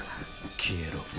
消えろ。